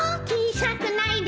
小さくないです